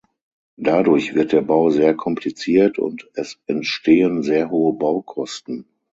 Dadurch wird der Bau sehr kompliziert und es entstehen sehr hohe Baukosten.